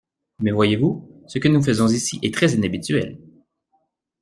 Mais voyez-vous, ce que nous faisons ici est très inhabituel.